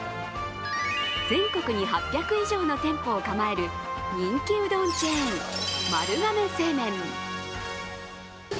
全国に８００以上の店舗を構える人気うどんチェーン、丸亀製麺。